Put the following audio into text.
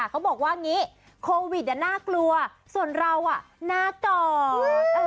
เขาบอกว่าโควิดน่ากลัวส่วนเราน่าก่อน